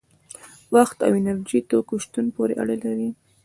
وخت او د انرژي توکو شتون پورې اړه لري.